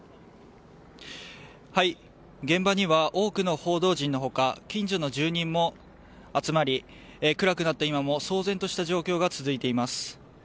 現場には多くの報道陣の他近所の住人も集まり暗くなった今も騒然とした状況が続いています。